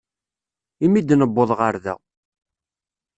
Imi d-newweḍ ɣer da.